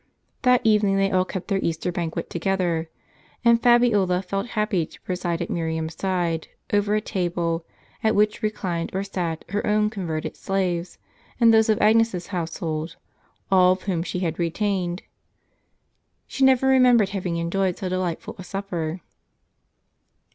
That evening they all kept their Easter banquet together; and Fabiola felt happy to preside at Miriam's side over a table, at which reclined or sat her own converted slaves, and those of Agnes' s household, all of whom she had retained. She never remembered having enjoyed so delightful a supper.